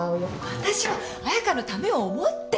わたしは彩香のためを思って！